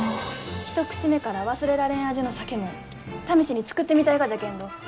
一口目から忘れられん味の酒も試しに造ってみたいがじゃけんど。